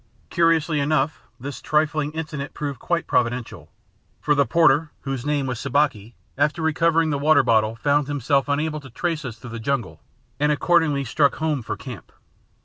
Curiously enough, this trifling incident proved quite providential; for the porter (whose name was Sabaki), after recovering the water bottle, found himself unable to trace us through the jungle and accordingly struck home for camp.